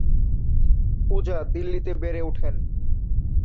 পূজা দিল্লীতে বেড়েউঠেন।